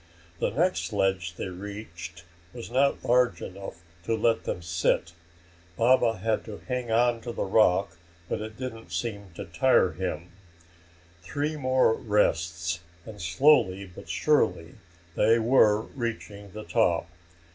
The next ledge they reached was not large enough to let them sit. Baba had to hang to the rock, but it didn't seem to tire him. Three more rests, and slowly but surely they were reaching the top.